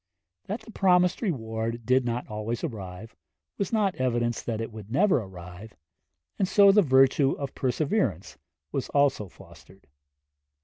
That the promised reward did not always arrive, was not evidence it would never arrive; and so the virtue of perseverance was also fostered.